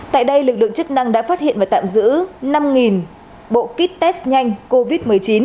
tại đây lực lượng chức năng đã phát hiện và tạm giữ năm bộ kit test nhanh covid một mươi chín